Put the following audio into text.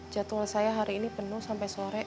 jadwal saya hari ini penuh sampai sore